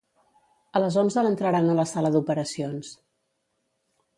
A les onze l'entraran a la sala d'operacions